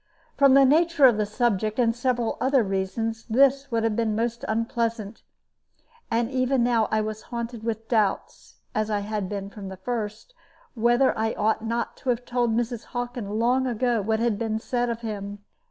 From the nature of the subject, and several other reasons, this would have been most unpleasant; and even now I was haunted with doubts, as I had been from the first, whether I ought not to have told Mrs. Hockin long ago what had been said of him.